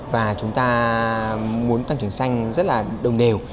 và chúng ta muốn tăng trưởng xanh rất là đồng đều